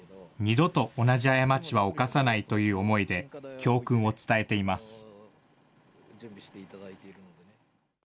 二度と同じ過ちは犯さないという思いで、教訓を伝えています。